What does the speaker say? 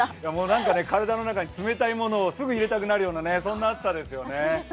なんかね体の中に冷たいものをすぐ入れたくなるような、そんな暑さですよね。